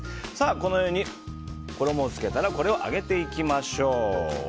このように衣をつけたらこれを揚げていきましょう。